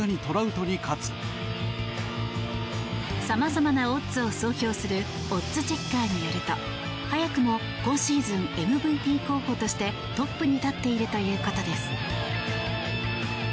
様々なオッズを総評するオッズチェッカーによると早くも今シーズンＭＶＰ候補としてトップに立っているということです。